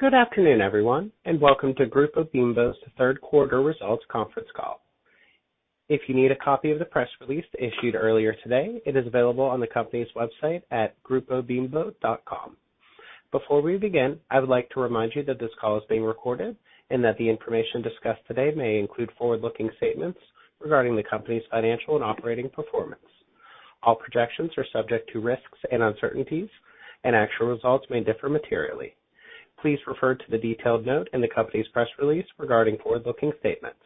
Good afternoon, everyone, and welcome to Grupo Bimbo's third quarter results conference call. If you need a copy of the press release issued earlier today, it is available on the company's website at grupobimbo.com. Before we begin, I would like to remind you that this call is being recorded and that the information discussed today may include forward-looking statements regarding the company's financial and operating performance. All projections are subject to risks and uncertainties, and actual results may differ materially. Please refer to the detailed note in the company's press release regarding forward-looking statements.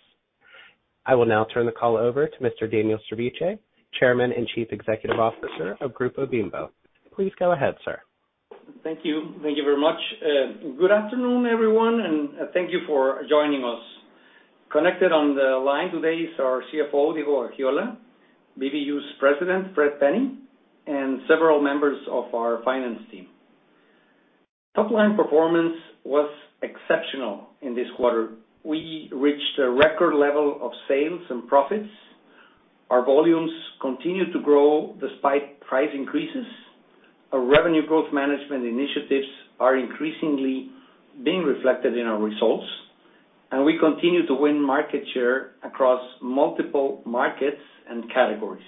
I will now turn the call over to Mr. Daniel Servitje, Chairman and Chief Executive Officer of Grupo Bimbo. Please go ahead, sir. Thank you. Thank you very much. Good afternoon, everyone, and thank you for joining us. Connected on the line today is our CFO, Diego Gaxiola, BBU's President, Fred Penny, and several members of our finance team. Top line performance was exceptional in this quarter. We reached a record level of sales and profits. Our volumes continued to grow despite price increases. Our revenue growth management initiatives are increasingly being reflected in our results, and we continue to win market share across multiple markets and categories.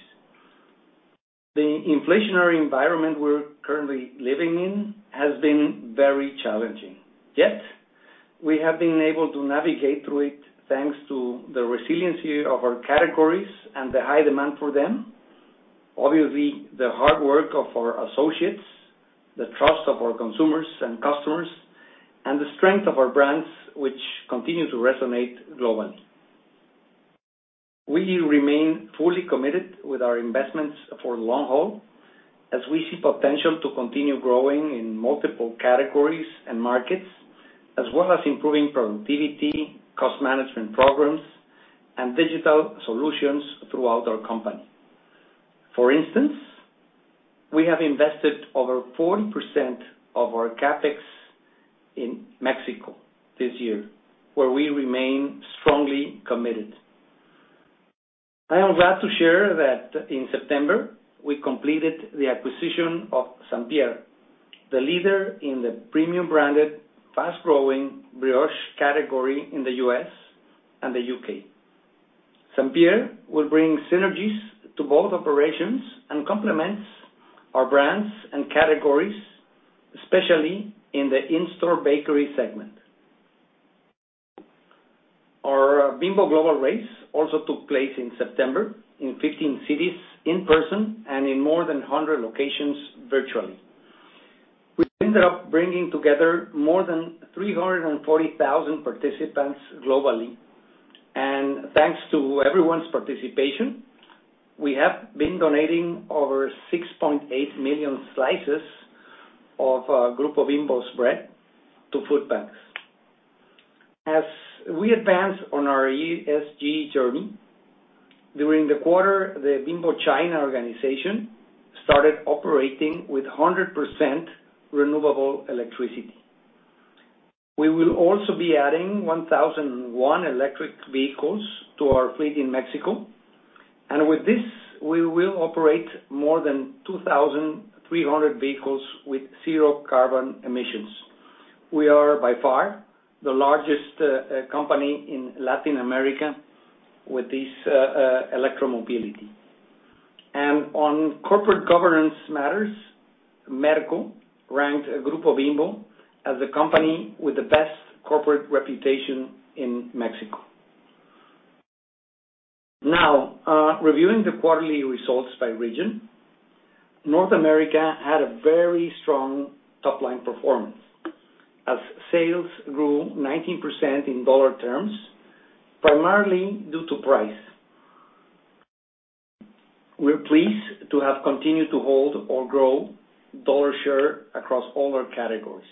The inflationary environment we're currently living in has been very challenging. Yet, we have been able to navigate through it, thanks to the resiliency of our categories and the high demand for them, obviously, the hard work of our associates, the trust of our consumers and customers, and the strength of our brands, which continue to resonate globally. We remain fully committed with our investments for long haul as we see potential to continue growing in multiple categories and markets, as well as improving productivity, cost management programs, and digital solutions throughout our company. For instance, we have invested over 40% of our CapEx in Mexico this year, where we remain strongly committed. I am glad to share that in September, we completed the acquisition of St. Pierre, the leader in the premium branded, fast-growing brioche category in the US and the UK. St. Pierre will bring synergies to both operations and complements our brands and categories, especially in the in-store bakery segment. Our Bimbo Global Race also took place in September in 15 cities in-person and in more than 100 locations virtually. We ended up bringing together more than 340,000 participants globally. Thanks to everyone's participation, we have been donating over 6.8 million slices of Grupo Bimbo's bread to food banks. As we advance on our ESG journey, during the quarter, the Bimbo China organization started operating with 100% renewable electricity. We will also be adding 1,001 electric vehicles to our fleet in Mexico. With this, we will operate more than 2,300 vehicles with zero carbon emissions. We are by far the largest company in Latin America with this electromobility. On corporate governance matters, Merco ranked Grupo Bimbo as a company with the best corporate reputation in Mexico. Reviewing the quarterly results by region, North America had a very strong top-line performance as sales grew 19% in dollar terms, primarily due to price. We're pleased to have continued to hold or grow dollar share across all our categories.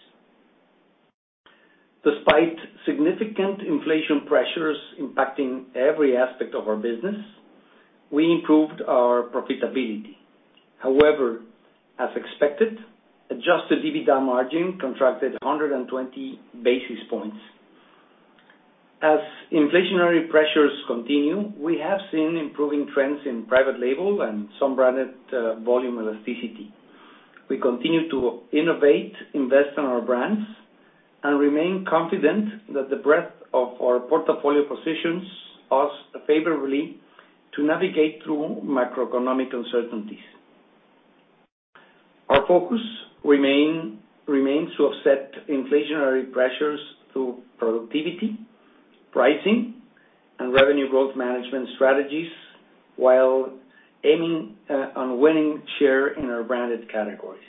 Despite significant inflation pressures impacting every aspect of our business, we improved our profitability. However, as expected, adjusted EBITDA margin contracted 100 basis points. As inflationary pressures continue, we have seen improving trends in private label and some branded volume elasticity. We continue to innovate, invest in our brands, and remain confident that the breadth of our portfolio positions us favorably to navigate through macroeconomic uncertainties. Our focus remains to offset inflationary pressures through productivity, pricing, and revenue growth management strategies while aiming on winning share in our branded categories.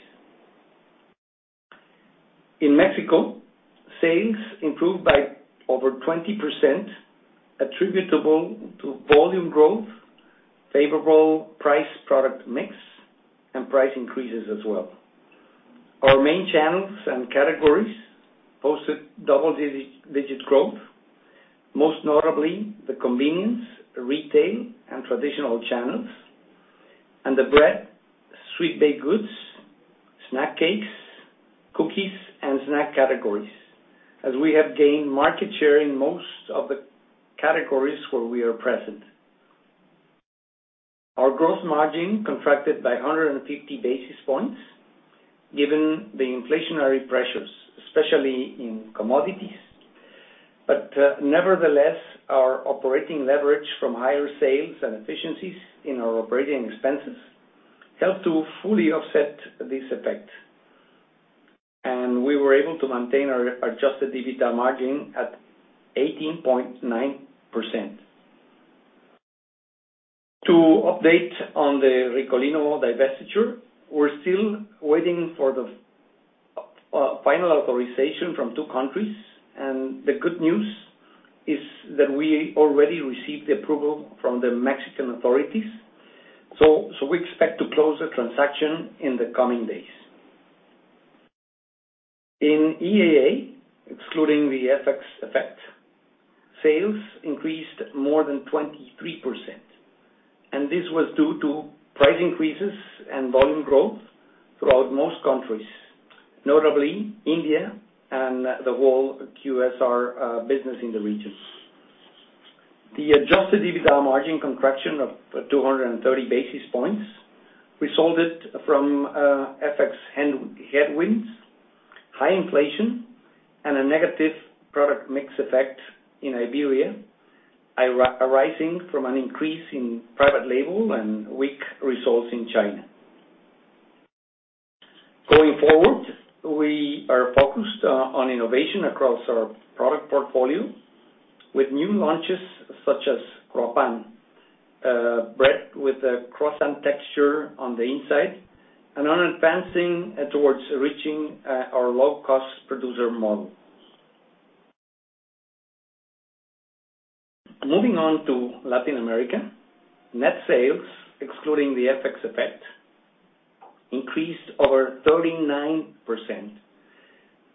In Mexico, sales improved by over 20% attributable to volume growth, favorable price product mix, and price increases as well. Our main channels and categories posted double-digit growth, most notably the convenience, retail, and traditional channels, and the bread, sweet baked goods, snack cakes, cookies, and snack categories, as we have gained market share in most of the categories where we are present. Our gross margin contracted by 150 basis points, given the inflationary pressures, especially in commodities. Nevertheless, our operating leverage from higher sales and efficiencies in our operating expenses helped to fully offset this effect. We were able to maintain our adjusted EBITDA margin at 18.9%. To update on the Ricolino divestiture, we're still waiting for the final authorization from two countries, and the good news is that we already received the approval from the Mexican authorities. We expect to close the transaction in the coming days. In EAA, excluding the FX effect, sales increased more than 23%, and this was due to price increases and volume growth throughout most countries, notably India and the whole QSR business in the region. The adjusted EBITDA margin contraction of 230 basis points was due to FX headwinds, high inflation, and a negative product mix effect in Iberia, arising from an increase in private label and weak results in China. Going forward, we are focused on innovation across our product portfolio with new launches such as Croissant Bread, bread with a croissant texture on the inside, and on advancing towards reaching our low-cost producer model. Moving on to Latin America, net sales, excluding the FX effect, increased over 39%.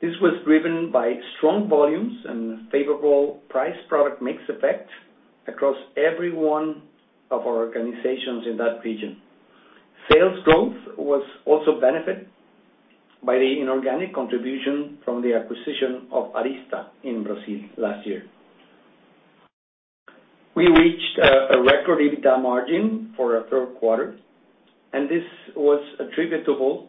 This was driven by strong volumes and favorable price product mix effect across every one of our organizations in that region. Sales growth was also benefited by the inorganic contribution from the acquisition of Aryzta in Brazil last year. We reached a record EBITDA margin for our third quarter, and this was attributable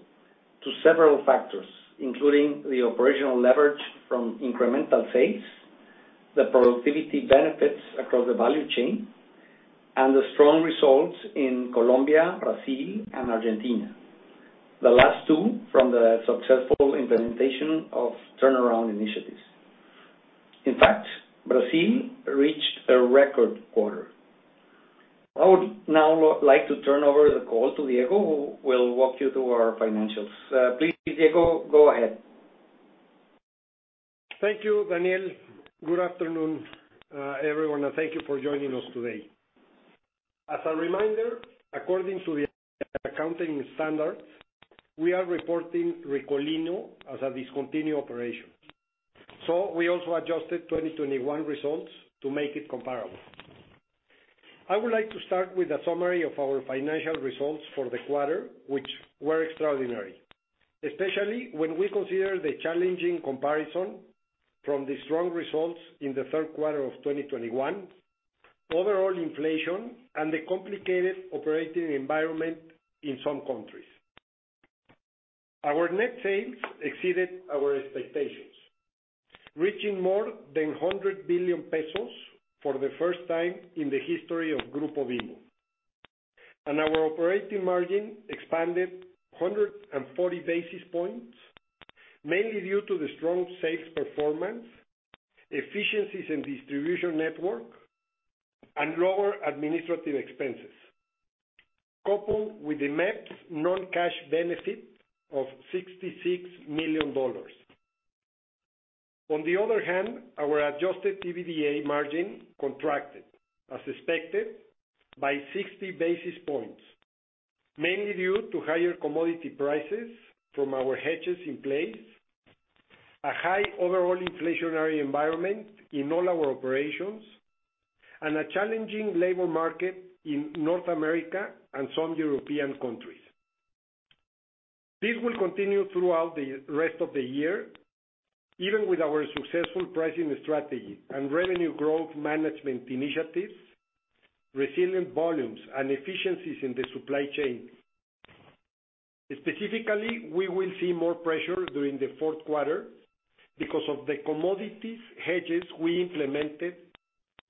to several factors, including the operational leverage from incremental sales, the productivity benefits across the value chain, and the strong results in Colombia, Brazil, and Argentina. The last two from the successful implementation of turnaround initiatives. In fact, Brazil reached a record quarter. I would now like to turn over the call to Diego, who will walk you through our financials. Please, Diego, go ahead. Thank you, Daniel. Good afternoon, everyone. Thank you for joining us today. As a reminder, according to the accounting standards, we are reporting Ricolino as a discontinued operation. We also adjusted 2021 results to make it comparable. I would like to start with a summary of our financial results for the quarter, which were extraordinary, especially when we consider the challenging comparison from the strong results in the third quarter of 2021, overall inflation, and the complicated operating environment in some countries. Our net sales exceeded our expectations, reaching more than 100 billion pesos for the first time in the history of Grupo Bimbo. Our operating margin expanded 140 basis points, mainly due to the strong sales performance, efficiencies in distribution network, and lower administrative expenses, coupled with the MXN non-cash benefit of $66 million. On the other hand, our adjusted EBITDA margin contracted, as expected, by 60 basis points, mainly due to higher commodity prices from our hedges in place, a high overall inflationary environment in all our operations, and a challenging labor market in North America and some European countries. This will continue throughout the rest of the year, even with our successful pricing strategy and revenue growth management initiatives, resilient volumes, and efficiencies in the supply chain. Specifically, we will see more pressure during the fourth quarter because of the commodities hedges we implemented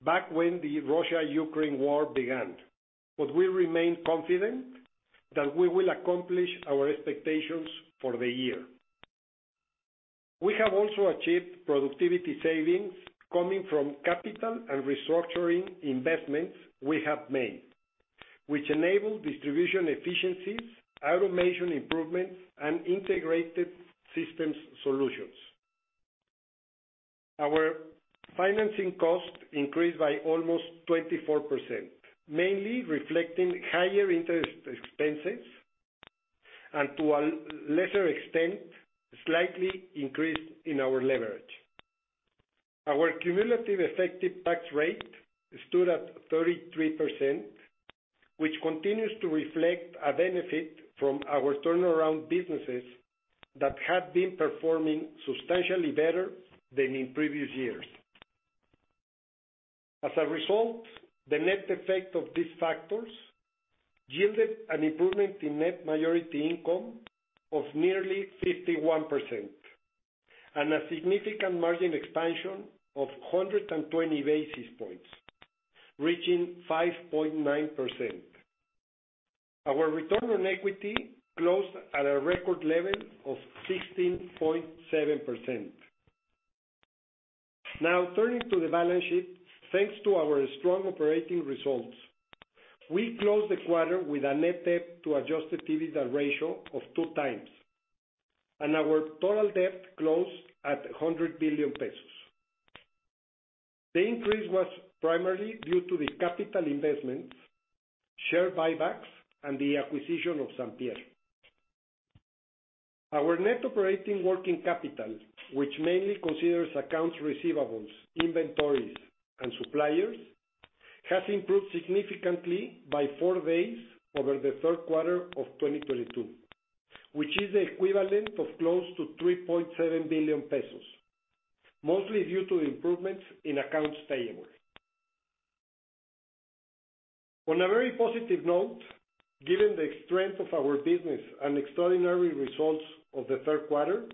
back when the Russia-Ukraine war began. We remain confident that we will accomplish our expectations for the year. We have also achieved productivity savings coming from capital and restructuring investments we have made, which enable distribution efficiencies, automation improvements, and integrated systems solutions. Our financing cost increased by almost 24%, mainly reflecting higher interest expenses and to a lesser extent, slightly increase in our leverage. Our cumulative effective tax rate stood at 33%, which continues to reflect a benefit from our turnaround businesses that have been performing substantially better than in previous years. As a result, the net effect of these factors yielded an improvement in net minority income of nearly 51% and a significant margin expansion of 120 basis points, reaching 5.9%. Our return on equity closed at a record level of 16.7%. Now turning to the balance sheet. Thanks to our strong operating results, we closed the quarter with a net debt to adjusted EBITDA ratio of 2x, and our total debt closed at 100 billion pesos. The increase was primarily due to the capital investments, share buybacks, and the acquisition of St Pierre. Our net operating working capital, which mainly considers accounts receivables, inventories, and suppliers, has improved significantly by four days over the third quarter of 2022, which is the equivalent of close to 3.7 billion pesos, mostly due to improvements in accounts payable. On a very positive note, given the strength of our business and extraordinary results of the third quarter,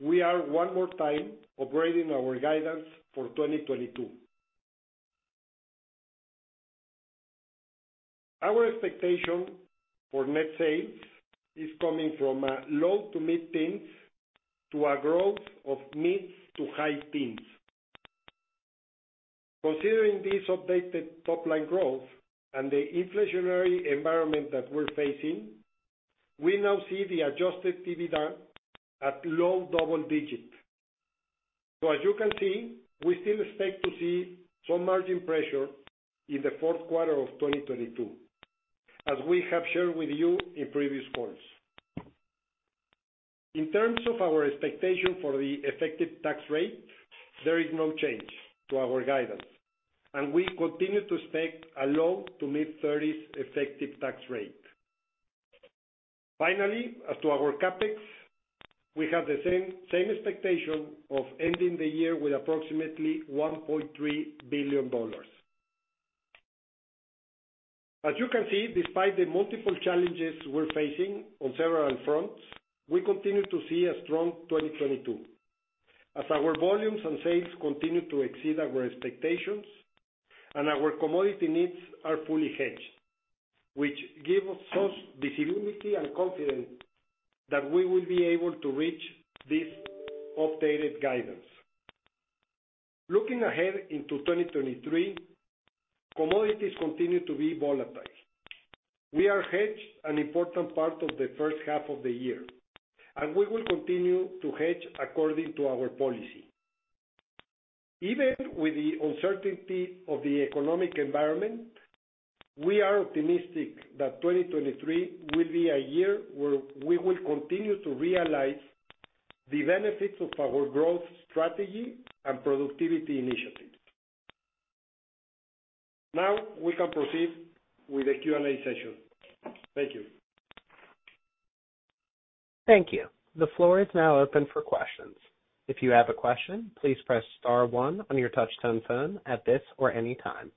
we are one more time upgrading our guidance for 2022. Our expectation for net sales is coming from a low- to mid-teens to a growth of mid- to high-teens. Considering this updated top-line growth and the inflationary environment that we're facing, we now see the adjusted EBITDA at low double digit. As you can see, we still expect to see some margin pressure in the fourth quarter of 2022, as we have shared with you in previous quarters. In terms of our expectation for the effective tax rate, there is no change to our guidance, and we continue to expect a low- to mid-30s effective tax rate. Finally, as to our CapEx, we have the same expectation of ending the year with approximately $1.3 billion. As you can see, despite the multiple challenges we're facing on several fronts, we continue to see a strong 2022 as our volumes and sales continue to exceed our expectations and our commodity needs are fully hedged, which give us the humility and confidence that we will be able to reach this updated guidance. Looking ahead into 2023, commodities continue to be volatile. We are hedged on an important part of the first half of the year, and we will continue to hedge according to our policy. Even with the uncertainty of the economic environment, we are optimistic that 2023 will be a year where we will continue to realize the benefits of our growth strategy and productivity initiatives. Now we can proceed with the Q&A session. Thank you. Thank you. The floor is now open for questions. If you have a question, please press star one on your touch-tone phone at this or any time.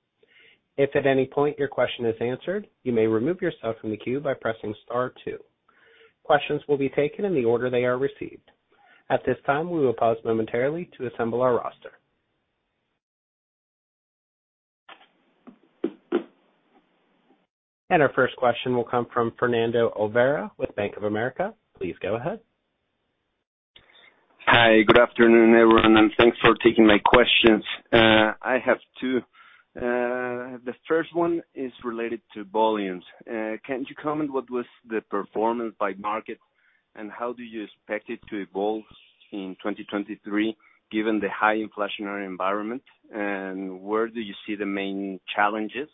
If at any point your question is answered, you may remove yourself from the queue by pressing star two. Questions will be taken in the order they are received. At this time, we will pause momentarily to assemble our roster. Our first question will come from Fernando Olvera with Bank of America. Please go ahead. Hi. Good afternoon, everyone, and thanks for taking my questions. I have two. The first one is related to volumes. Can you comment on what was the performance by market, and how do you expect it to evolve in 2023, given the high inflationary environment? Where do you see the main challenges?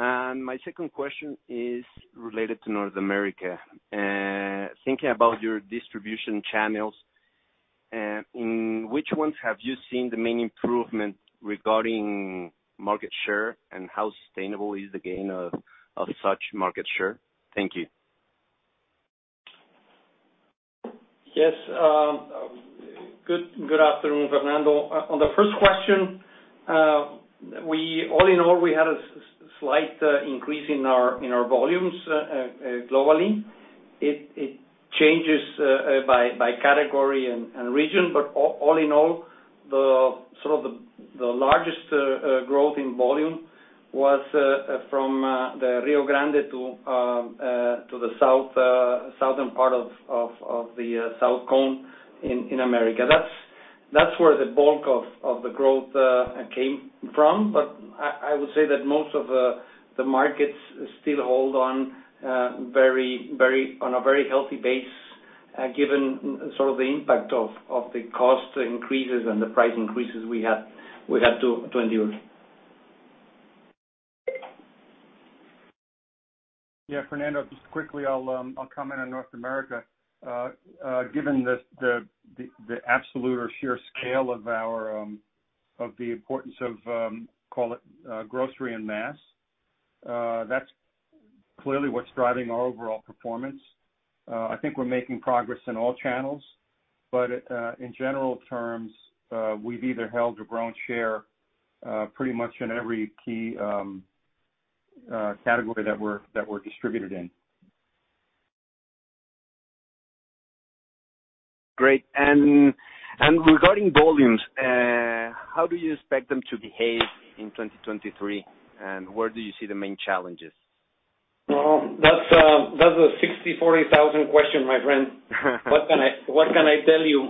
My second question is related to North America. Thinking about your distribution channels, in which ones have you seen the main improvement regarding market share, and how sustainable is the gain of such market share? Thank you. Yes. Good afternoon, Fernando Olvera. On the first question, all in all, we had a slight increase in our volumes globally. It changes by category and region, but all in all, the largest growth in volume was from the Rio Grande to the southern part of the Southern Cone in South America. That's where the bulk of the growth came from. I would say that most of the markets are still holding on a very healthy base, given sort of the impact of the cost increases and the price increases we had to endure. Yeah, Fernando, just quickly, I'll comment on North America. Given the absolute or sheer scale of the importance of call it grocery and mass, that's clearly what's driving our overall performance. I think we're making progress in all channels, but in general terms, we've either held or grown share pretty much in every key category that we're distributed in. Great. Regarding volumes, how do you expect them to behave in 2023? Where do you see the main challenges? Well, that's a $64,000 question, my friend. What can I tell you?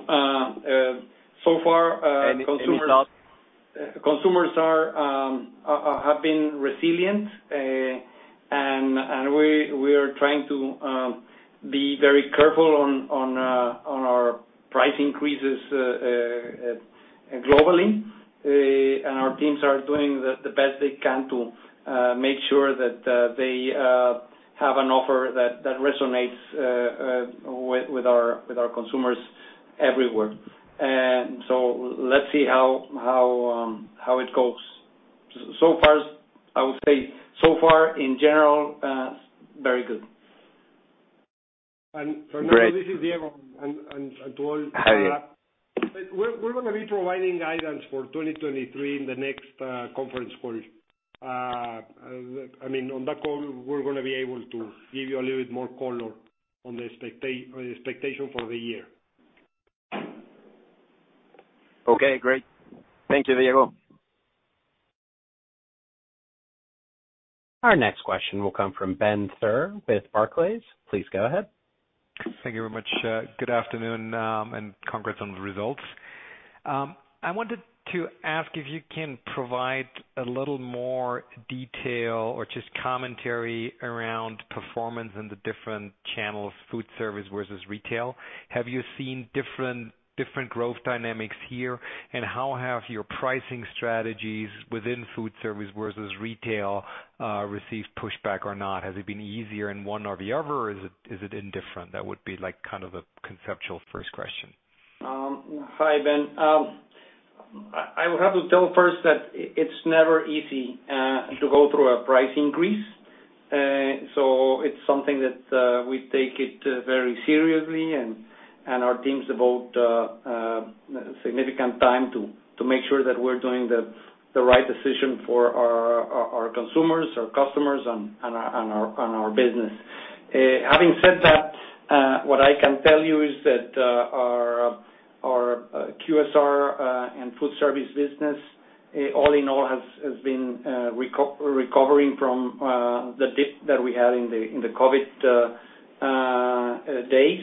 So far, consumers- Any thoughts? Consumers have been resilient. We are trying to be very careful on our price increases globally. Our teams are doing the best they can to make sure that they have an offer that resonates with our consumers everywhere. Let's see how it goes. So far, I would say, so far in general, very good. Great. Fernando, this is Diego, and to all. Hi. We're gonna be providing guidance for 2023 in the next conference call. I mean, on that call, we're gonna be able to give you a little bit more color on the expectation for the year. Okay, great. Thank you, Diego. Our next question will come from Ben Theurer with Barclays. Please go ahead. Thank you very much. Good afternoon, and congrats on the results. I wanted to ask if you can provide a little more detail or just commentary around performance in the different channels, food service versus retail. Have you seen different growth dynamics here? How have your pricing strategies within food service versus retail received pushback or not? Has it been easier in one or the other or is it indifferent? That would be, like, kind of a conceptual first question. Hi, Ben. I would have to tell first that it's never easy to go through a price increase. It's something that we take very seriously and our teams devote significant time to make sure that we're doing the right decision for our consumers, our customers, and our business. Having said that, what I can tell you is that our QSR and food service business all in all has been recovering from the dip that we had in the COVID days.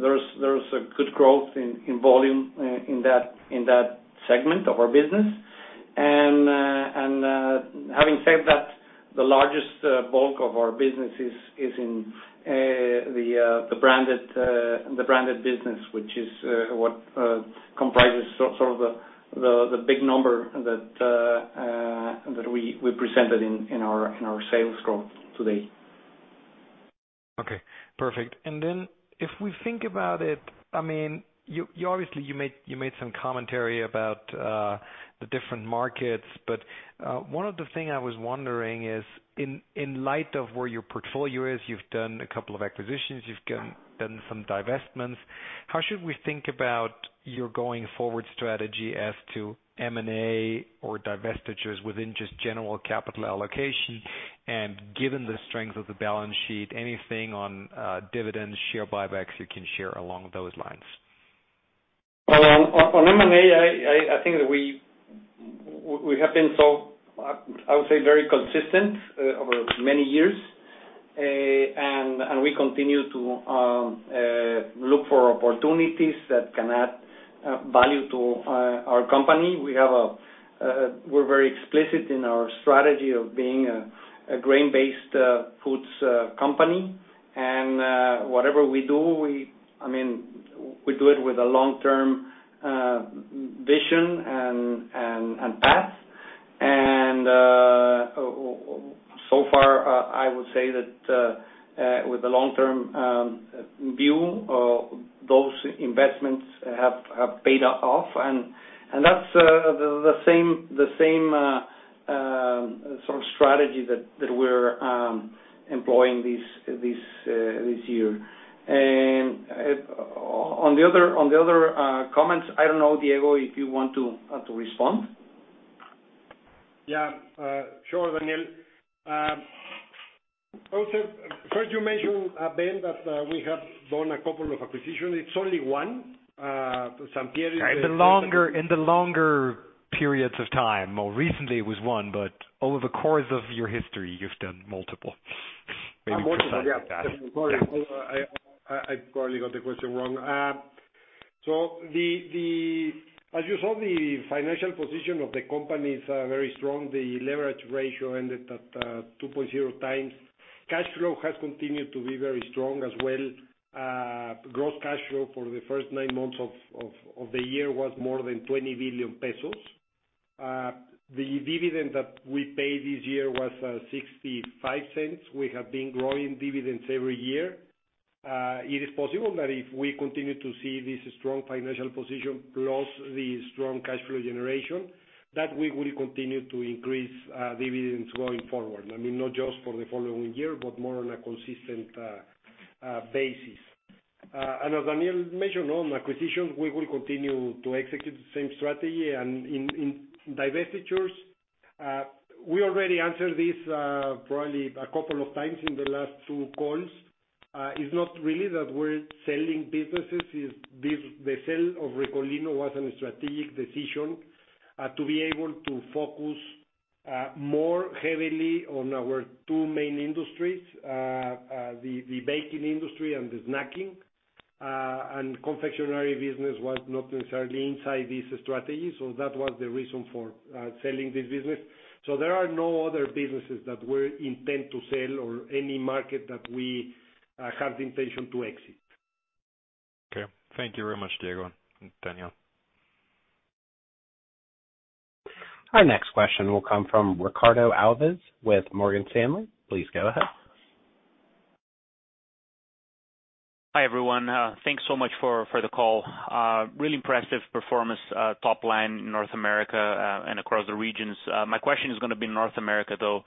There's a good growth in volume in that segment of our business. Having said that, the largest bulk of our business is in the branded business, which is what comprises sort of the big number that we presented in our sales growth today. Okay, perfect. Then if we think about it, I mean, you obviously made some commentary about the different markets. One of the thing I was wondering is, in light of where your portfolio is, you've done a couple of acquisitions, you've done some divestments. How should we think about your going forward strategy as to M&A or divestitures within just general capital allocation? Given the strength of the balance sheet, anything on dividends, share buybacks you can share along those lines? Well, on M&A, I think that we have been so very consistent, I would say, over many years. We continue to look for opportunities that can add value to our company. We're very explicit in our strategy of being a grain-based foods company. Whatever we do, I mean, we do it with a long-term vision and path. So far, I would say that with the long-term view, those investments have paid off. That's the same sort of strategy that we're employing this year. On the other comments, I don't know, Diego, if you want to respond. Yeah. Sure, Daniel. Also, first you mentioned, Ben, that we have done a couple of acquisitions. It's only one. St. Pierre is- In the longer periods of time. More recently it was one, but over the course of your history, you've done multiple. Maybe we could say it like that. Multiple, yeah. Sorry. I probably got the question wrong. As you saw, the financial position of the company is very strong. The leverage ratio ended at 2.0x. Cash flow has continued to be very strong as well. Gross cash flow for the first nine months of the year was more than 20 billion pesos. The dividend that we paid this year was $0.65. We have been growing dividends every year. It is possible that if we continue to see this strong financial position plus the strong cash flow generation, that we will continue to increase dividends going forward. I mean, not just for the following year, but more on a consistent basis. As Daniel mentioned on acquisitions, we will continue to execute the same strategy. In divestitures, we already answered this probably a couple of times in the last two calls. It's not really that we're selling businesses. The sale of Ricolino was a strategic decision to be able to focus more heavily on our two main industries, the baking industry and the snacking. The confectionery business was not necessarily inside this strategy, so that was the reason for selling this business. There are no other businesses that we intend to sell or any market that we have the intention to exit. Okay. Thank you very much, Diego and Daniel. Our next question will come from Ricardo Alves with Morgan Stanley. Please go ahead. Hi, everyone. Thanks so much for the call. Really impressive performance, top line in North America, and across the regions. My question is gonna be North America, though.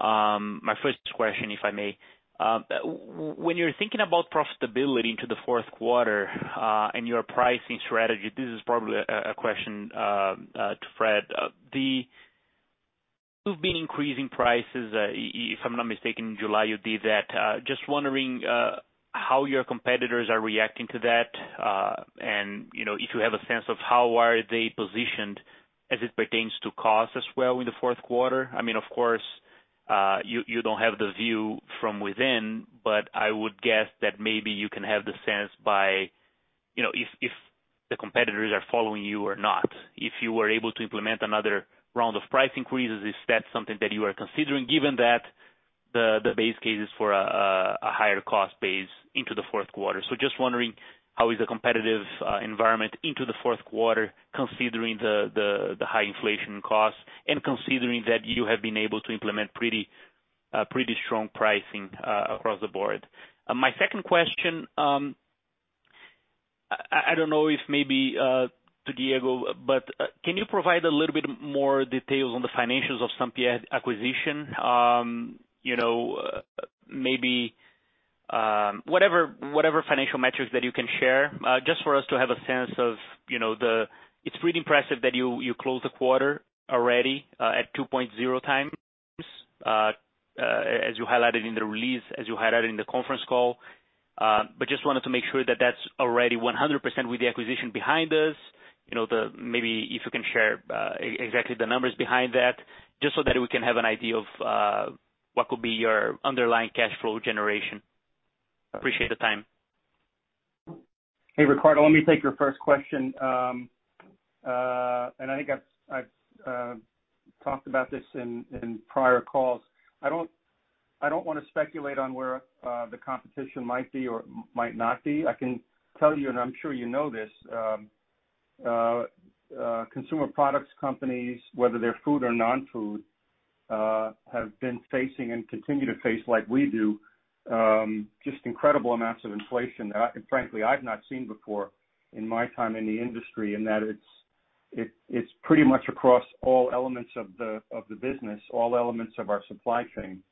My first question, if I may, when you're thinking about profitability into the fourth quarter, and your pricing strategy, this is probably a question to Fred. You've been increasing prices, if I'm not mistaken, in July you did that. Just wondering, how your competitors are reacting to that. You know, if you have a sense of how are they positioned as it pertains to cost as well in the fourth quarter. I mean, of course, you don't have the view from within, but I would guess that maybe you can have the sense by, you know, if the competitors are following you or not. If you were able to implement another round of price increases, is that something that you are considering given that the base case is for a higher cost base into the fourth quarter? Just wondering how is the competitive environment into the fourth quarter considering the high inflation costs and considering that you have been able to implement pretty strong pricing across the board. My second question, I don't know if maybe to Diego, but can you provide a little bit more details on the financials of St Pierre acquisition? You know, maybe whatever financial metrics that you can share just for us to have a sense of. It's pretty impressive that you closed the quarter already at 2.0 x as you highlighted in the release, as you highlighted in the conference call. Just wanted to make sure that that's already 100% with the acquisition behind us. You know, maybe if you can share exactly the numbers behind that just so that we can have an idea of what could be your underlying cash flow generation. Appreciate the time. Hey, Ricardo, let me take your first question. I think I've talked about this in prior calls. I don't wanna speculate on where the competition might be or might not be. I can tell you, and I'm sure you know this, consumer products companies, whether they're food or non-food, have been facing and continue to face, like we do, just incredible amounts of inflation, and frankly, I've not seen before in my time in the industry, in that it's pretty much across all elements of the business, all elements of our supply chain.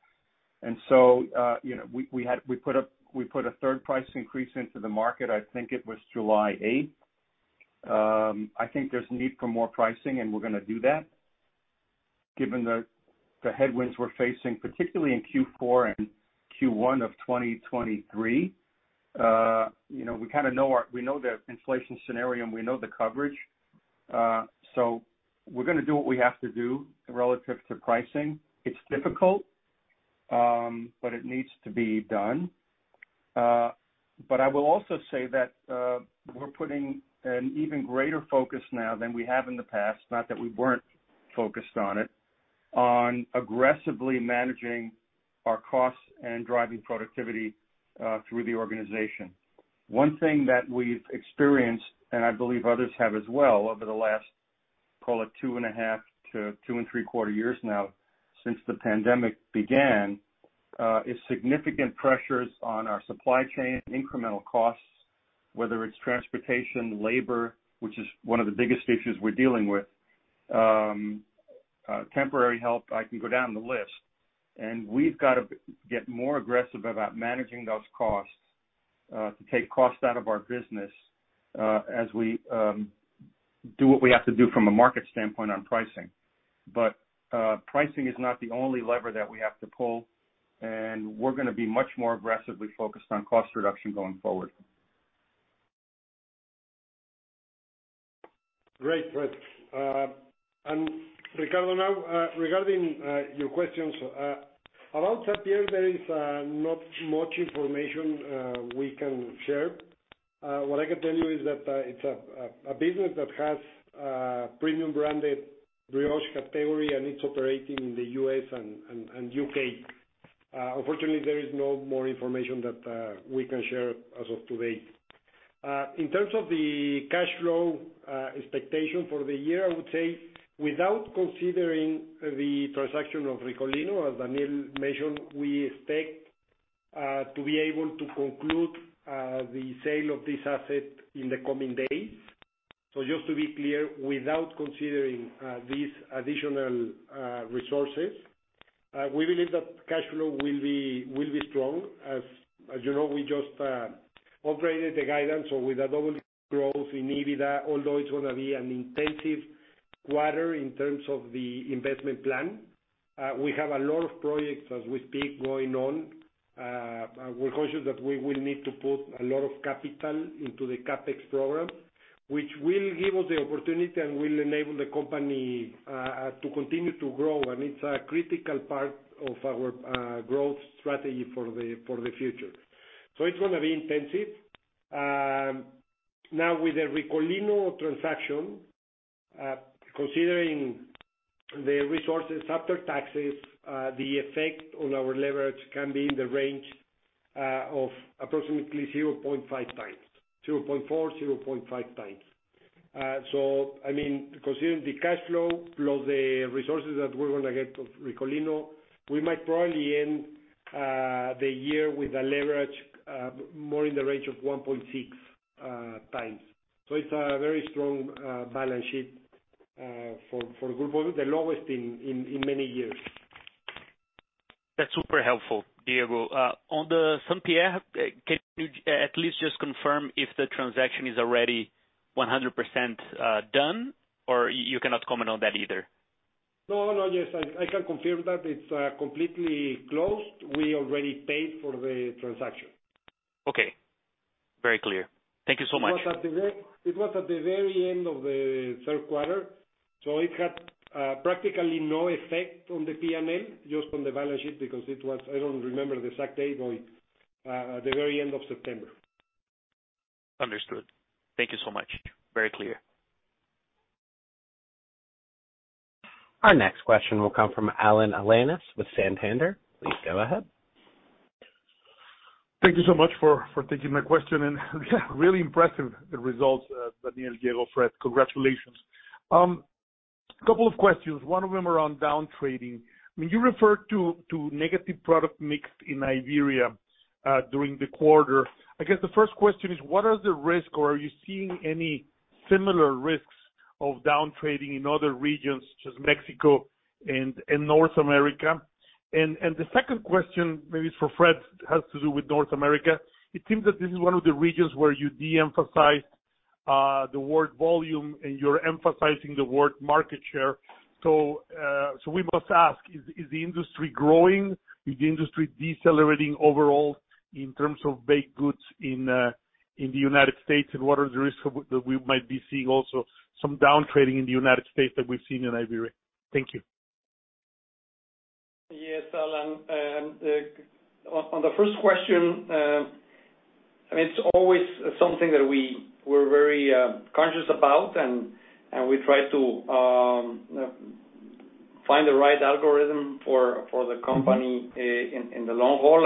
You know, we put a third price increase into the market. I think it was July 8th. I think there's need for more pricing, and we're gonna do that given the headwinds we're facing, particularly in Q4 and Q1 of 2023. You know, we know the inflation scenario, and we know the coverage. We're gonna do what we have to do relative to pricing. It's difficult, but it needs to be done. I will also say that we're putting an even greater focus now than we have in the past, not that we weren't focused on it, on aggressively managing our costs and driving productivity through the organization. One thing that we've experienced, and I believe others have as well, over the last, call it 2.5-2.75 years now since the pandemic began, is significant pressures on our supply chain, incremental costs, whether it's transportation, labor, which is one of the biggest issues we're dealing with, temporary help, I can go down the list. We've got to get more aggressive about managing those costs to take costs out of our business, as we do what we have to do from a market standpoint on pricing. Pricing is not the only lever that we have to pull, and we're gonna be much more aggressively focused on cost reduction going forward. Great, Fred. Ricardo, now, regarding your questions about St Pierre, there is not much information we can share. What I can tell you is that it's a business that has a premium brand in brioche category, and it's operating in the U.S. and U.K. Unfortunately, there is no more information that we can share as of today. In terms of the cash flow expectation for the year, I would say without considering the transaction of Ricolino, as Daniel mentioned, we expect to be able to conclude the sale of this asset in the coming days. Just to be clear, without considering these additional resources, we believe that cash flow will be strong. As you know, we just upgraded the guidance. With a double growth in EBITDA, although it's gonna be an intensive quarter in terms of the investment plan, we have a lot of projects as we speak going on. We're conscious that we will need to put a lot of capital into the CapEx program, which will give us the opportunity and will enable the company to continue to grow. It's a critical part of our growth strategy for the future. It's gonna be intensive. Now, with the Ricolino transaction, considering the resources after taxes, the effect on our leverage can be in the range of approximately 0.4-0.5x. I mean, considering the cash flow plus the resources that we're gonna get of Ricolino, we might probably end the year with a leverage more in the range of 1.6 times. It's a very strong balance sheet for the group, the lowest in many years. That's super helpful, Diego. On the St. Pierre, can you at least just confirm if the transaction is already 100% done or you cannot comment on that either? No. Yes, I can confirm that it's completely closed. We already paid for the transaction. Okay. Very clear. Thank you so much. It was at the very end of the third quarter, so it had practically no effect on the P&L, just on the balance sheet because it was, I don't remember the exact date, but the very end of September. Understood. Thank you so much. Very clear. Our next question will come from Alan Alanis with Santander. Please go ahead. Thank you so much for taking my question and really impressive results, Daniel, Diego, Fred. Congratulations. Couple of questions, one of them around down-trading. When you refer to negative product mix in Iberia during the quarter, I guess the first question is what are the risks or are you seeing any similar risks of down-trading in other regions such as Mexico and North America? And the second question maybe is for Fred, has to do with North America. It seems that this is one of the regions where you de-emphasized the word volume, and you're emphasizing the word market share. So we must ask, is the industry growing? Is the industry decelerating overall in terms of baked goods in the United States? What are the risks that we might be seeing also some down-trading in the United States that we've seen in Iberia? Thank you. Yes, Alan. On the first question, I mean, it's always something that we're very conscious about, and we try to find the right algorithm for the company in the long haul.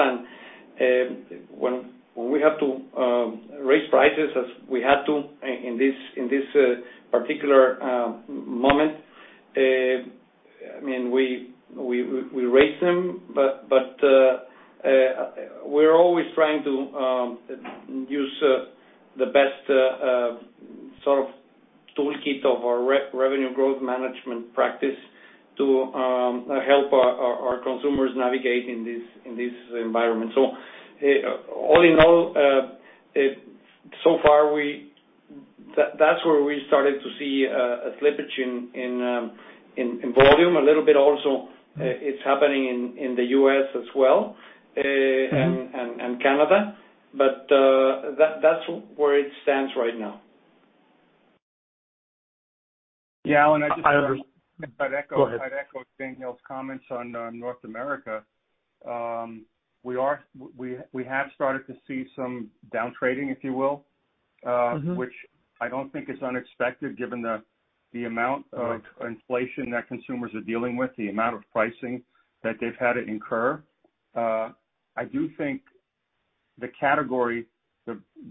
When we have to raise prices as we had to in this particular moment, I mean, we raise them. But we're always trying to use the best sort of toolkit of our revenue growth management practice to help our consumers navigate in this environment. All in all, so far that's where we started to see a slippage in volume. A little bit also, it's happening in the U.S. as well, and Canada. That's where it stands right now. Yeah, Alan, I just- I under- I'd echo. Go ahead. I'd echo Daniel's comments on North America. We have started to see some down-trading, if you will. Mm-hmm which I don't think is unexpected given the amount of inflation that consumers are dealing with, the amount of pricing that they've had to incur. I do think the category,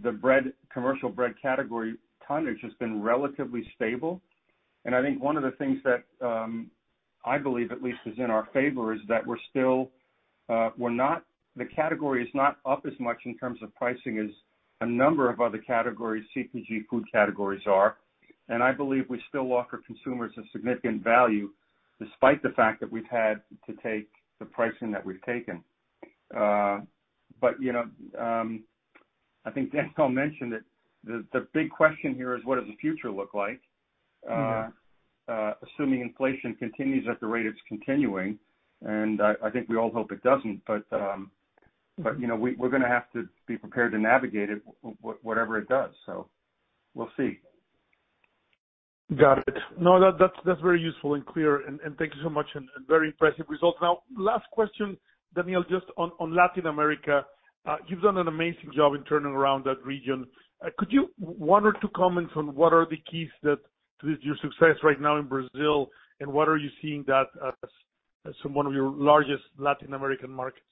the bread commercial bread category tonnage has been relatively stable. I think one of the things that I believe at least is in our favor is that the category is not up as much in terms of pricing as a number of other categories, CPG food categories are. I believe we still offer consumers a significant value despite the fact that we've had to take the pricing that we've taken. You know, I think Daniel mentioned it, the big question here is what does the future look like? Mm-hmm. Assuming inflation continues at the rate it's continuing, and I think we all hope it doesn't. You know, we're gonna have to be prepared to navigate it whatever it does. We'll see. Got it. No, that's very useful and clear and thank you so much and very impressive results. Now, last question, Daniel, just on Latin America. You've done an amazing job in turning around that region. Could you one or two comments on what are the keys to your success right now in Brazil and what are you seeing as one of your largest Latin American markets.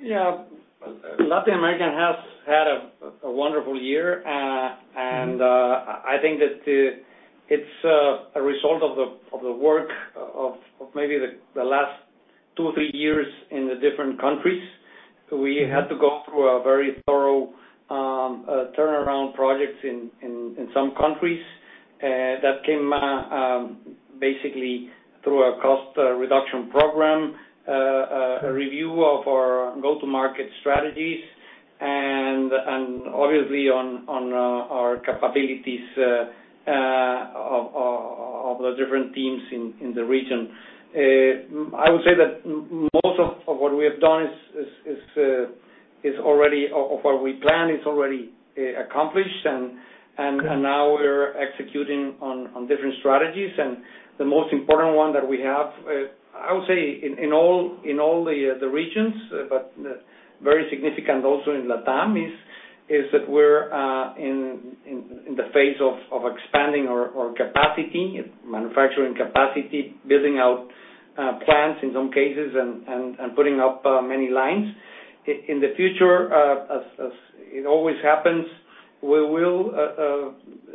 Yeah. Latin America has had a wonderful year. I think that it's a result of the work of maybe the last two or three years in the different countries. We had to go through a very thorough turnaround projects in some countries that came basically through a cost reduction program, a review of our go-to-market strategies and obviously on our capabilities of the different teams in the region. I would say that most of what we have done is already of what we plan, is already accomplished. Now we're executing on different strategies. The most important one that we have, I would say in all the regions, but very significant also in LATAM, is that we're in the phase of expanding our capacity, manufacturing capacity, building out plants in some cases and putting up many lines. In the future, as it always happens, we will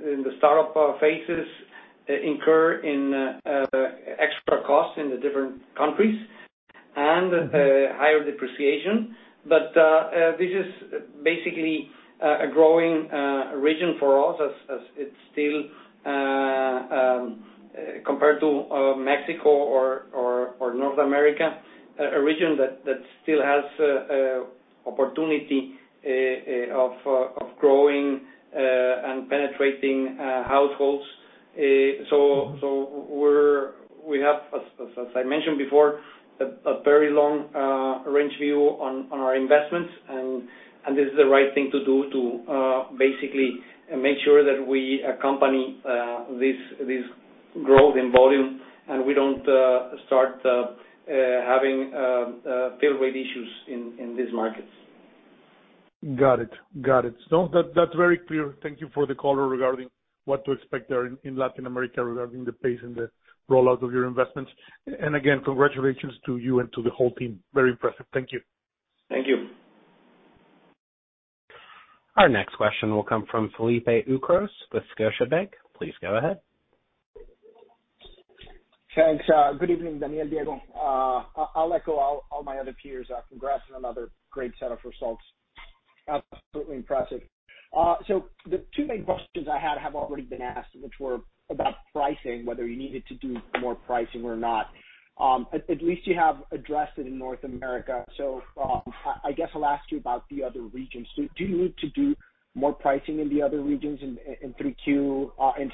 in the startup phases incur in extra costs in the different countries and higher depreciation. But this is basically a growing region for us as it's still compared to Mexico or North America, a region that still has opportunity of growing and penetrating households. We have, as I mentioned before, a very long range view on our investments. This is the right thing to do to basically make sure that we accompany this growth in volume, and we don't start having fill rate issues in these markets. Got it. That's very clear. Thank you for the color regarding what to expect there in Latin America regarding the pace and the rollout of your investments. Again, congratulations to you and to the whole team. Very impressive. Thank you. Thank you. Our next question will come from Felipe Ucros with Scotiabank. Please go ahead. Thanks. Good evening, Daniel, Diego. I'll echo all my other peers. Congrats on another great set of results. Absolutely impressive. The two main questions I had have already been asked, which were about pricing, whether you needed to do more pricing or not. At least you have addressed it in North America. I guess I'll ask you about the other regions. Do you need to do more pricing in the other regions in 4Q and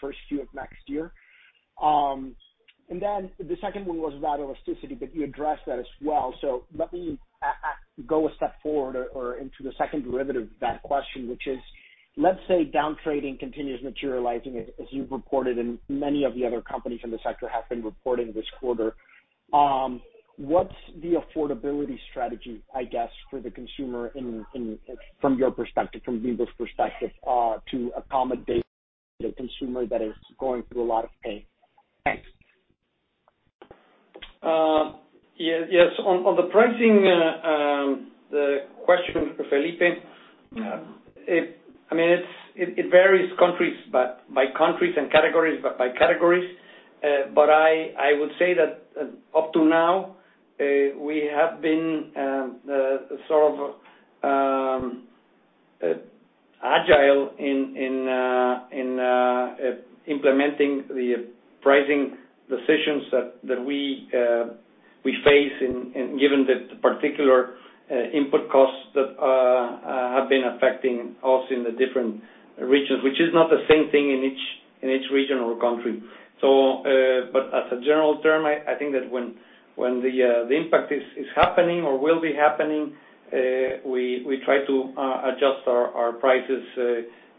first Q of next year? The second one was about elasticity, but you addressed that as well. Let me go a step forward or into the second derivative of that question, which is, let's say downtrading continues materializing as you've reported, and many of the other companies in the sector have been reporting this quarter. What's the affordability strategy, I guess, for the consumer in from your perspective, from Bimbo's perspective, to accommodate the consumer that is going through a lot of pain? Thanks. Yes. On the pricing question, Felipe, I mean, it varies by countries and categories. But I would say that up to now, we have been sort of agile in implementing the pricing decisions that we face given the particular input costs that have been affecting us in the different regions, which is not the same thing in each region or country. But as a general term, I think that when the impact is happening or will be happening, we try to adjust our prices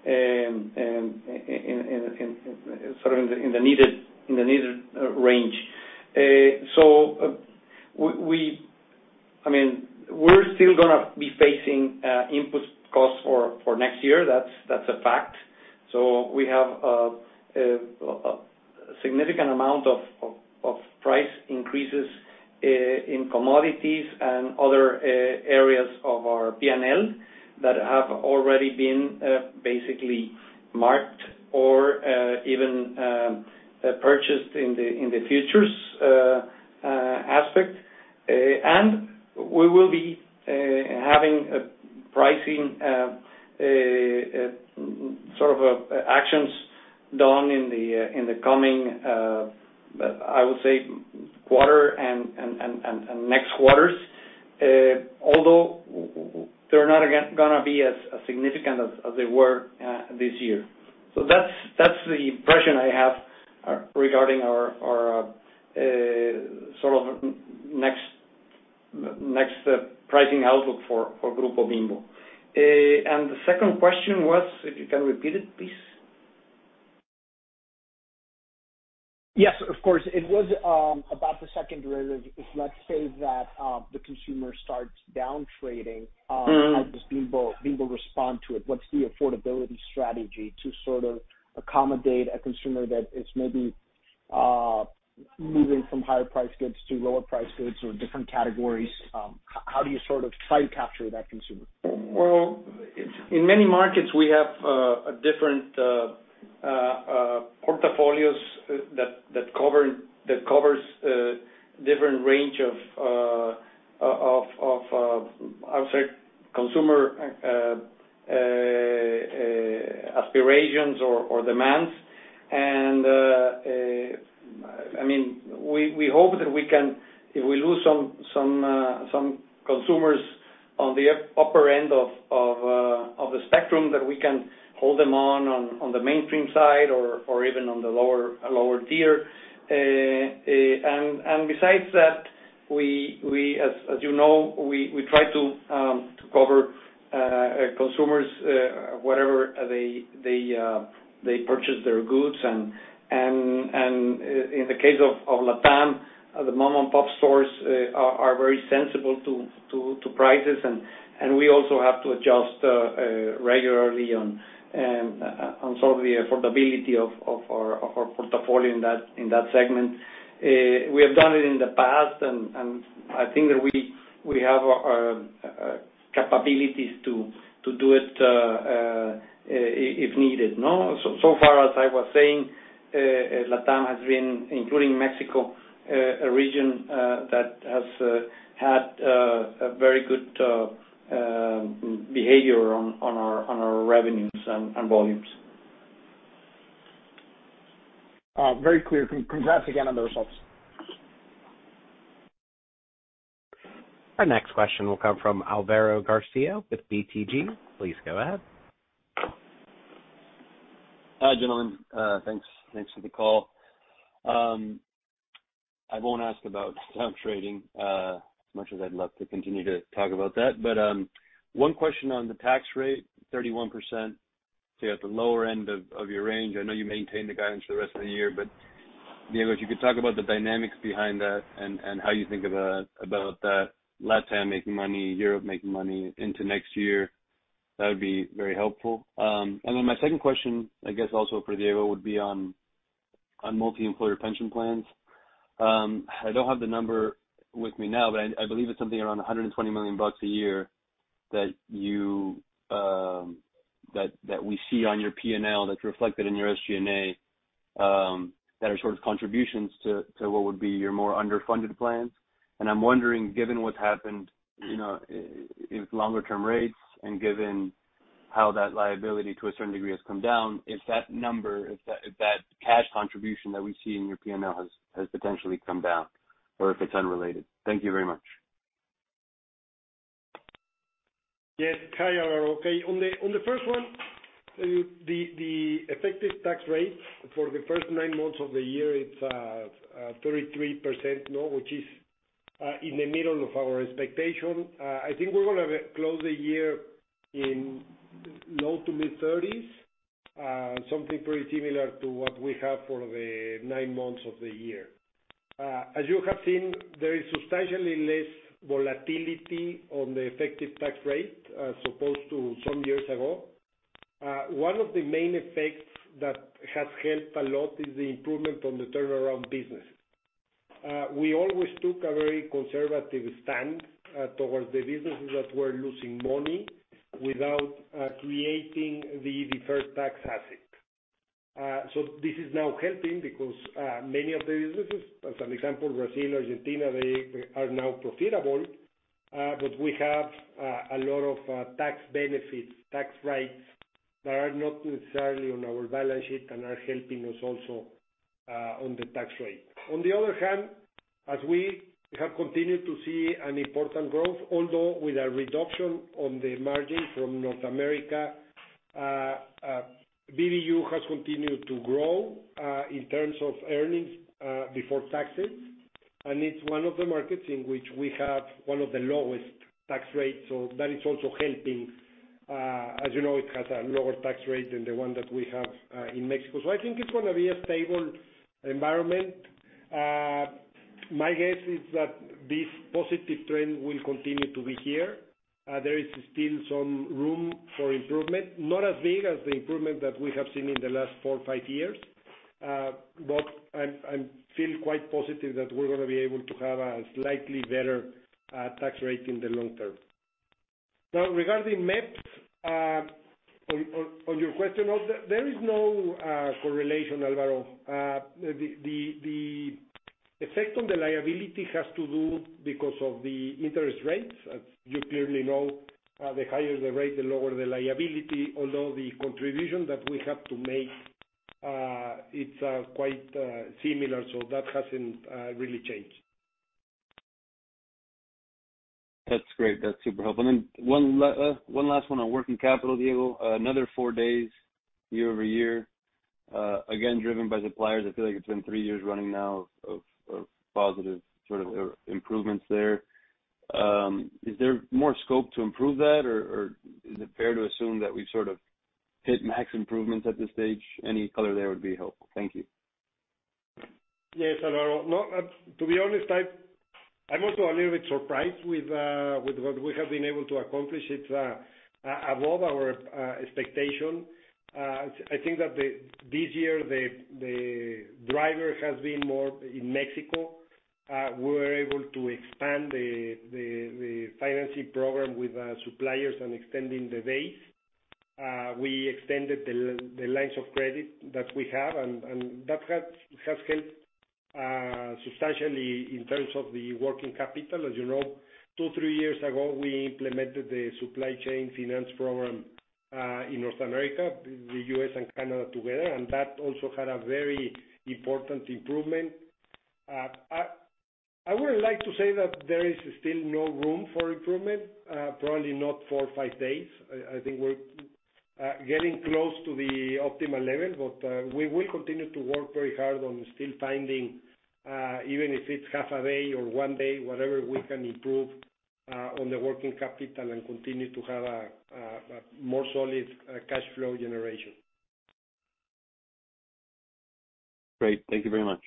in sort of the needed range. I mean, we're still gonna be facing input costs for next year. That's a fact. We have a significant amount of price increases in commodities and other areas of our P&L that have already been basically marked or even purchased in the futures aspect. We will be having a pricing sort of actions done in the coming, I would say, quarter and next quarters, although they're not gonna be as significant as they were this year. That's the impression I have regarding our sort of next pricing outlook for Grupo Bimbo. The second question was, if you can repeat it, please. Yes, of course. It was about the second derivative. If let's say that the consumer starts downtrading. Mm-hmm. How does Bimbo respond to it? What's the affordability strategy to sort of accommodate a consumer that is maybe moving from higher priced goods to lower priced goods or different categories, how do you sort of try to capture that consumer? Well, in many markets, we have different portfolios that covers a different range of, I would say, consumer aspirations or demands. I mean, we hope that we can, if we lose some consumers on the upper end of the spectrum, that we can hold them on the mainstream side or even on the lower tier. Besides that, as you know, we try to cover consumers wherever they purchase their goods. In the case of LATAM, the mom-and-pop stores are very sensitive to prices, and we also have to adjust regularly on some of the affordability of our portfolio in that segment. We have done it in the past, and I think that we have capabilities to do it if needed, no? So far as I was saying, LATAM has been, including Mexico, a region that has had a very good behavior on our revenues and volumes. Very clear. Congrats again on the results. Our next question will come from Alvaro Garcia with BTG. Please go ahead. Hi, gentlemen. Thanks for the call. I won't ask about stock trading, as much as I'd love to continue to talk about that. One question on the tax rate, 31%, so you're at the lower end of your range. I know you maintained the guidance for the rest of the year, but Diego, if you could talk about the dynamics behind that and how you think about that, LATAM making money, Europe making money into next year, that would be very helpful. My second question, I guess, also for Diego, would be on multi-employer pension plans. I don't have the number with me now, but I believe it's something around $120 million a year that you, that we see on your P&L, that's reflected in your SG&A, that are sort of contributions to what would be your more underfunded plans. I'm wondering, given what's happened, you know, with longer-term rates and given how that liability to a certain degree has come down, if that cash contribution that we see in your P&L has potentially come down or if it's unrelated. Thank you very much. Yes. Hi, Alvaro. Okay. On the first one, the effective tax rate for the first nine months of the year, it's 33%, no? Which is in the middle of our expectation. I think we're gonna close the year in low-to-mid 30s, something pretty similar to what we have for the nine months of the year. As you have seen, there is substantially less volatility on the effective tax rate as opposed to some years ago. One of the main effects that has helped a lot is the improvement on the turnaround business. We always took a very conservative stand towards the businesses that were losing money without creating the deferred tax asset. So this is now helping because many of the businesses, as an example, Brazil, Argentina, they are now profitable. We have a lot of tax benefits, tax rights that are not necessarily on our balance sheet and are helping us also on the tax rate. On the other hand, as we have continued to see an important growth, although with a reduction on the margin from North America, BBU has continued to grow in terms of earnings before taxes. It's one of the markets in which we have one of the lowest tax rates, so that is also helping. As you know, it has a lower tax rate than the one that we have in Mexico. I think it's gonna be a stable environment. My guess is that this positive trend will continue to be here. There is still some room for improvement, not as big as the improvement that we have seen in the last four or five years. I feel quite positive that we're gonna be able to have a slightly better tax rate in the long term. Now, regarding MEPPs, on your question, there is no correlation, Alvaro. The effect on the liability has to do because of the interest rates. As you clearly know, the higher the rate, the lower the liability, although the contribution that we have to make, it's quite similar, so that hasn't really changed. That's great. That's super helpful. One last one on working capital, Diego. Another four days year-over-year, again, driven by suppliers. I feel like it's been three years running now of positive sort of improvements there. Is there more scope to improve that, or is it fair to assume that we sort of hit max improvements at this stage? Any color there would be helpful. Thank you. Yes, Álvaro. No, to be honest, I'm also a little bit surprised with what we have been able to accomplish. It's above our expectation. I think that this year, the driver has been more in Mexico. We're able to expand the financing program with our suppliers and extending the base. We extended the lines of credit that we have, and that has helped substantially in terms of the working capital. As you know, two, three years ago, we implemented the supply chain finance program in North America, the US and Canada together, and that also had a very important improvement. I wouldn't like to say that there is still no room for improvement, probably not four or five days. I think we're getting close to the optimal level. We will continue to work very hard on still finding even if it's half a day or one day, whatever we can improve on the working capital and continue to have a more solid cash flow generation. Great. Thank you very much.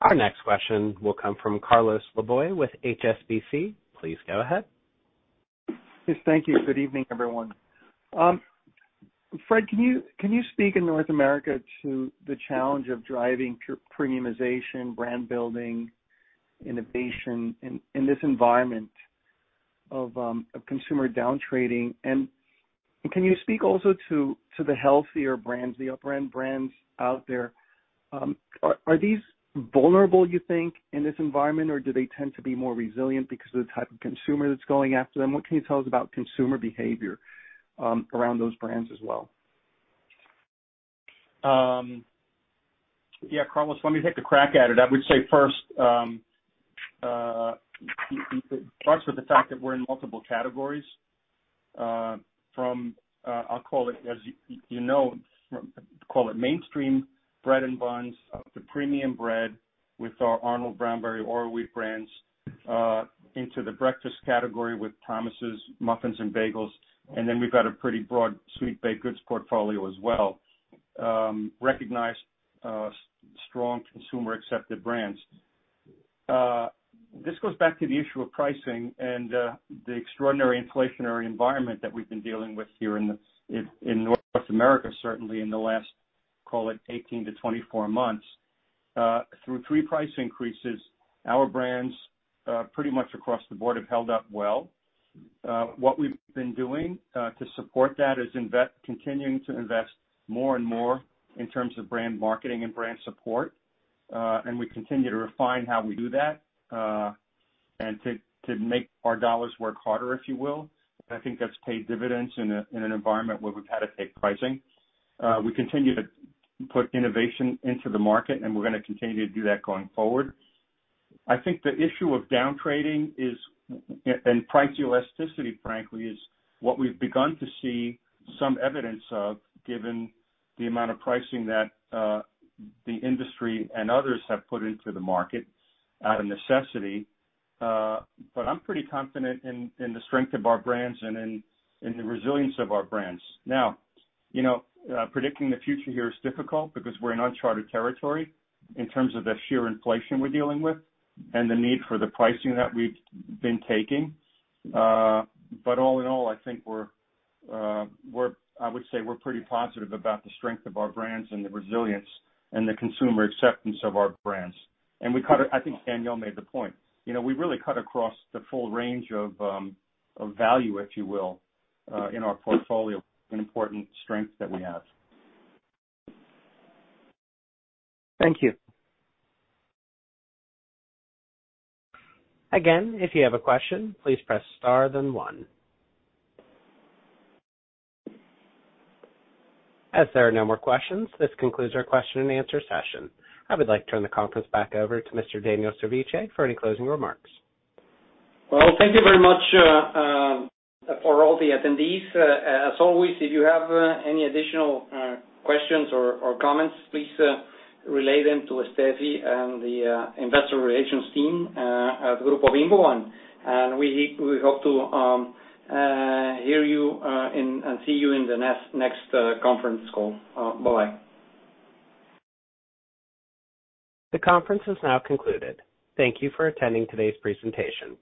Our next question will come from Carlos Laboy with HSBC. Please go ahead. Yes, thank you. Good evening, everyone. Fred, can you speak in North America to the challenge of driving pure premiumization, brand building, innovation in this environment of consumer downtrading? Can you speak also to the healthier brands, the upper-end brands out there? Are these vulnerable you think in this environment, or do they tend to be more resilient because of the type of consumer that's going after them? What can you tell us about consumer behavior around those brands as well? Yeah, Carlos, let me take a crack at it. I would say first, it starts with the fact that we're in multiple categories, from, I'll call it as you know, call it mainstream bread and buns, the premium bread with our Arnold, Brownberry, or Oroweat brands, into the breakfast category with Thomas' muffins and bagels. We've got a pretty broad sweet baked goods portfolio as well, recognized strong consumer-accepted brands. This goes back to the issue of pricing and the extraordinary inflationary environment that we've been dealing with here in North America, certainly in the last, call it 18-24 months. Through three price increases, our brands, pretty much across the board, have held up well. What we've been doing to support that is continuing to invest more and more in terms of brand marketing and brand support. We continue to refine how we do that and to make our dollars work harder, if you will. I think that's paid dividends in an environment where we've had to take pricing. We continue to put innovation into the market, and we're gonna continue to do that going forward. I think the issue of downtrading is and price elasticity, frankly, is what we've begun to see some evidence of given the amount of pricing that the industry and others have put into the market out of necessity. I'm pretty confident in the strength of our brands and in the resilience of our brands. Now, you know, predicting the future here is difficult because we're in uncharted territory in terms of the sheer inflation we're dealing with and the need for the pricing that we've been taking. All in all, I think I would say we're pretty positive about the strength of our brands and the resilience and the consumer acceptance of our brands. I think Daniel made the point. You know, we really cut across the full range of value, if you will, in our portfolio, an important strength that we have. Thank you. Again, if you have a question, please press star then one. As there are no more questions, this concludes our question and answer session. I would like to turn the conference back over to Mr. Daniel Servitje for any closing remarks. Well, thank you very much for all the attendees. As always, if you have any additional questions or comments, please relay them to Steffi and the investor relations team at Grupo Bimbo. We hope to hear you and see you in the next conference call. Bye-bye. The conference is now concluded. Thank you for attending today's presentation.